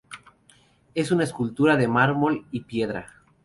Es una escultura de mármol y piedra.